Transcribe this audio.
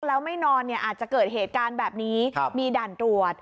แล้วไม่นอนเนี่ยอาจจะเกิดเหตุการณ์แบบนี้มีด่านตรวจ